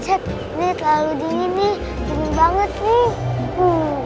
ini terlalu dingin nih seru banget nih